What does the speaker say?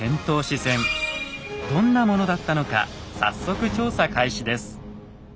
どんなものだったのか早速調査開始です。